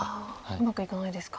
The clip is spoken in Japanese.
うまくいかないですか。